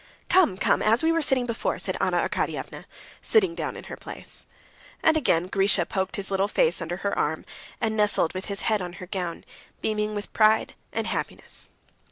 "Come, come, as we were sitting before," said Anna Arkadyevna, sitting down in her place. And again Grisha poked his little face under her arm, and nestled with his head on her gown, beaming with pride and happiness.